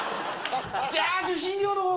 じゃあ、受信料のほうを。